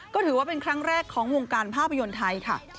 ก็ถือว่าเป็นครั้งแรกของวงการภาพยนตร์ไทยค่ะ